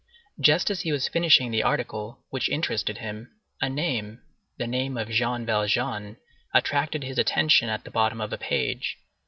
Just as he was finishing the article, which interested him; a name, the name of Jean Valjean, attracted his attention at the bottom of a page.